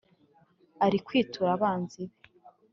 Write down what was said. Ari kwitura abanzi be.